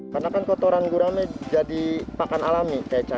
karena kan kotoran gurame jadi pakan alami kayak cacat